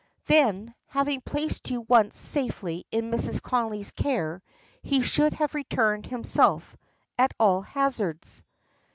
"Then, having placed you once safely in Mrs. Connolly's care, he should have returned himself, at all hazards."